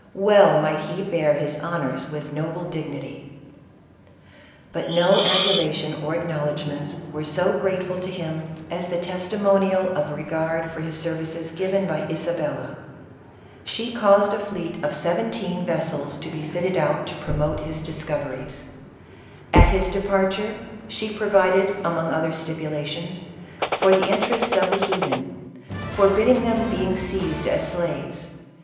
Well might he bear his honors with noble dignity ! But no adulation or acknowledgments were so grate ful to him as the testimonial of regard for his services given by Isabella. She caused a fleet of seventeen 124 ISABELLA OF CASTILE. vessels to be fitted out to promote his discoveries. At his departure, she provided, among other stipulations, for the interests of the heathen, forbidding their being seized as slaves.